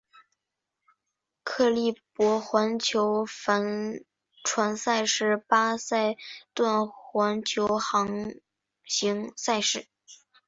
克利伯环球帆船赛是八赛段环球航行赛事。